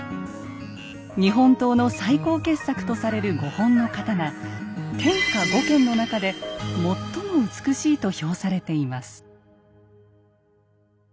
日本刀の最高傑作とされる５本の刀「天下五剣」の中で最も美しいと評されています。